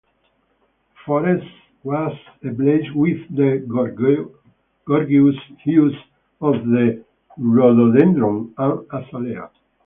The forest was ablaze with the gorgeous hues of the rhododendron and azalea.